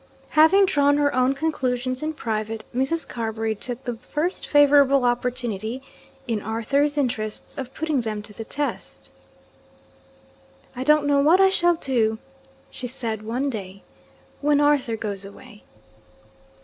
Having drawn her own conclusions in private, Mrs. Carbury took the first favourable opportunity (in Arthur's interests) of putting them to the test. 'I don't know what I shall do,' she said one day, 'when Arthur goes away.'